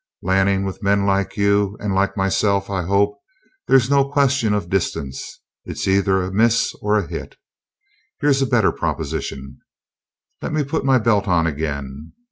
"Lanning, with men like you and like myself, I hope there's no question of distance. It's either a miss or a hit. Here's a better proposition: Let me put my belt on again.